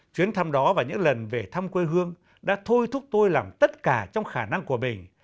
chuyến thăm đó và những lần về thăm quê hương đã thôi thúc tôi làm tất cả trong khả năng của mình